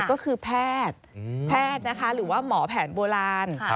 ก็คือแพทย์หรือว่าหมอแผนโบราณ